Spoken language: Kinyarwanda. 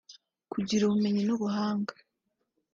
Kugira ubumenyi n’ubuhanga